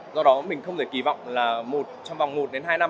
do đó mình không thể kỳ vọng là trong vòng một đến hai năm